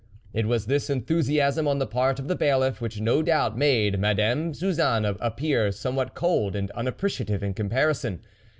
It was this enthusiasm on the part of the Bailiff which no doubt made Madame Suzanne appear somewhat cold and un appreciative in comparison.